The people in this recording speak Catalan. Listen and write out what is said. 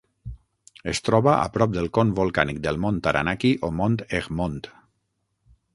Es troba a prop del con volcànic del Mont Taranaki o Mont Egmont.